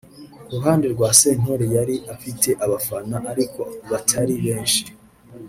Ku ruhande rwa Sentore yari afite abafana ariko batari benshi